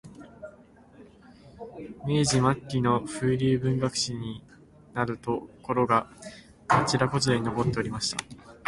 明治末期の風流文学史になるところが、あちらこちらに残っておりました